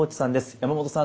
山本さん